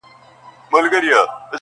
سل ځله مي خبر کړل چي راغلی دی توپان٫